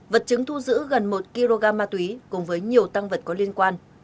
vật chứng thu giữ gần một kg ma túy cùng với nhiều tăng vật có liên quan